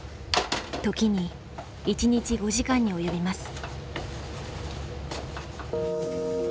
時に１日５時間に及びます。